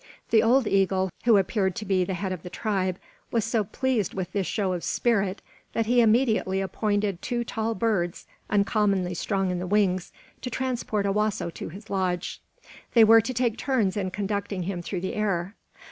The old eagle, who appeared to be the head of the tribe, was so pleased with this show of spirit that he immediately appointed two tall birds, uncommonly strong in the wings, to transport Owasso to his lodge. They were to take turns in conducting him through the air.